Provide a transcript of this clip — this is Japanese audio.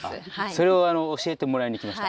それを教えてもらいにきました。